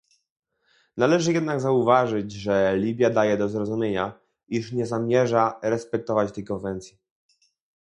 Należy jednak zauważyć, że Libia daje do zrozumienia, iż nie zamierza respektować tej konwencji